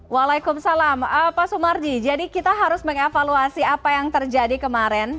waalaikumsalam pak sumarji jadi kita harus mengevaluasi apa yang terjadi kemarin